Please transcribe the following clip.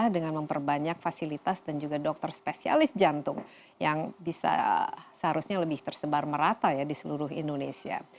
dengan memperbanyak fasilitas dan juga dokter spesialis jantung yang bisa seharusnya lebih tersebar merata ya di seluruh indonesia